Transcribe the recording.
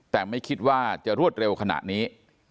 แต่ไม่คิดว่าจะรวดเร็วขนาดนี้